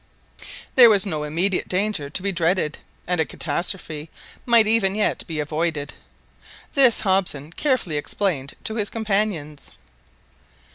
There was no immediate danger to be dreaded, and a catastrophe might even yet be avoided. This Hobson carefully explained to his companions.